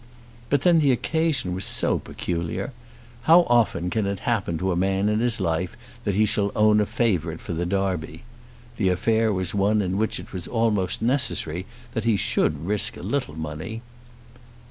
But then the occasion was so peculiar! How often can it happen to a man in his life that he shall own a favourite for the Derby? The affair was one in which it was almost necessary that he should risk a little money.